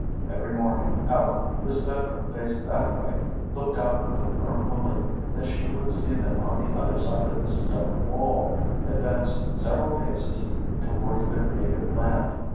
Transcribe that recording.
Every morning Ellen, whose bedroom faced that way, looked out with a firm belief that she would see them on the other side of the stone wall, advanced several paces towards their native land.